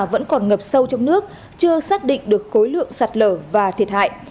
vẫn còn ngập sâu trong nước chưa xác định được khối lượng sạt lở và thiệt hại